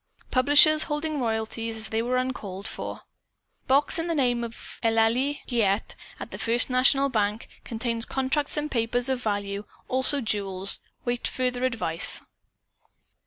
Publishers holding royalties, as they were uncalled for. Box in name of Eulalie Giguette at the First National Bank. Contains contracts and papers of value, also jewels. Await further advice."